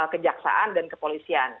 kejaksaan dan kepolisian